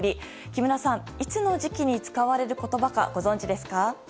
木村さん、いつの時期に使われる言葉か、ご存じですか？